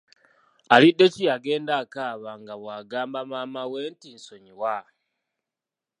Aliddeki yagenda akaaba nga bwagamba maama we nti “nsonyiwa.”